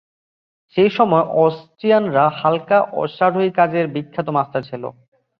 সেই সময়ে, অস্ট্রিয়ানরা হালকা অশ্বারোহী কাজের বিখ্যাত মাস্টার ছিল।